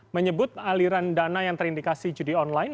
menyebut aliran dana yang terindikasi judi online